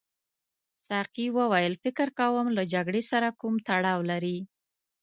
ساقي وویل فکر کوم له جګړې سره کوم تړاو لري.